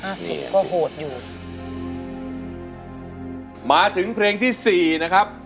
ห้าสิบห้าสิบก็โหดอยู่มาถึงเพลงที่สี่นะครับ